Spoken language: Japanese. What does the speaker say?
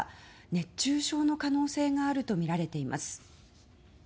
熱中症の可能性があるとみられています。